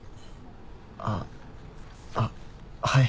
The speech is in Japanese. あっあっはい。